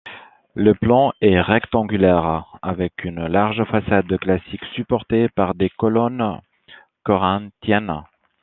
Le plan est rectangulaire, avec une large façade classique supporté par des colonnes corinthiennes.